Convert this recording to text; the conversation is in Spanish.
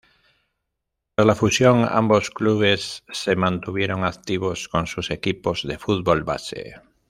Tras la fusión, ambos clubes se mantuvieron activos con sus equipos de fútbol base.